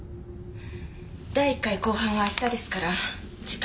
第１回公判は明日ですから時間もあまり。